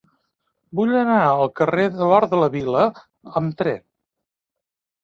Vull anar al carrer de l'Hort de la Vila amb tren.